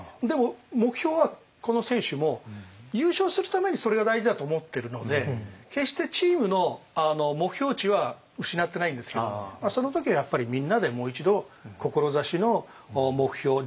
でも目標はこの選手も優勝するためにそれが大事だと思ってるので決してチームの目標値は失ってないんですけどその時はやっぱりみんなでもう一度志の目標